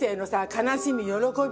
悲しみ喜び